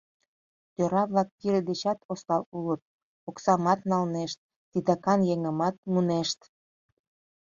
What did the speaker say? Тӧра-влак пире дечат осал улыт: оксамат налнешт, титакан еҥымат мунешт...